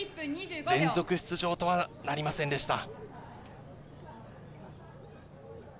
連続出場とはなりませんでした。